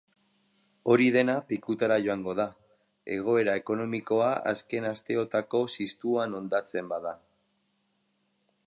Hori dena pikutara joango da, egoera ekonomikoa azken asteotako ziztuan hondatzen bada.